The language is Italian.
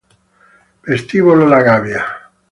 Vestibolo La Gavia